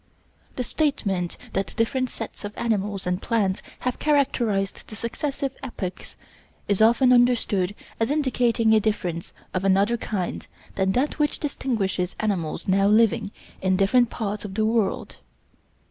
The statement that different sets of animals and plants have characterized the successive epochs is often understood as indicating a difference of another kind than that which distinguishes animals now living in different parts of the world.